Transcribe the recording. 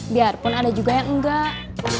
biarpun ada juga yang enggak